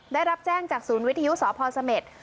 ได้รับแจ้งจากศูนย์วิทยุสพเสม็ด